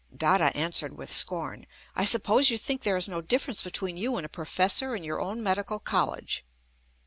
Dada answered with scorn: "I suppose you think there is no difference between you and a Professor in your own Medical College."